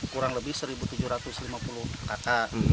kurang lebih satu tujuh ratus lima puluh kakak